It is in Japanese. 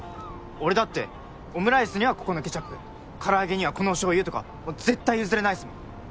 俺だってオムライスにはここのケチャップ唐揚げにはこの醤油とか絶対譲れないっすもん